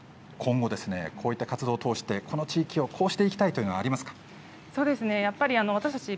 今後こういった活動を通してこの地域をこうしていきたいとかありますか。